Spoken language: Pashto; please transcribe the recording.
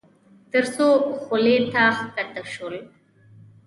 تر څو خولې ته کښته شول.